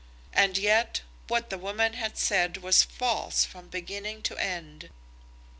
And yet what the woman had said was false from beginning to end.